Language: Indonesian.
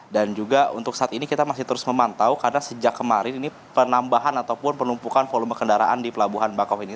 dan juga untuk saat ini kita masih terus memantau karena sejak kemarin ini penambahan ataupun penumpukan volume kendaraan di pelabuhan bakahueni